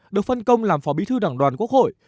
được phân công làm phó bí thư đảng đoàn quốc hội